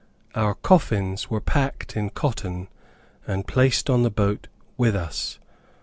Our coffins were packed in cotton, and placed on the boat with us.